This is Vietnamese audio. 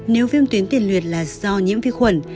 nếu viêm tuyến tiền luyệt là do nhiễm vi khuẩn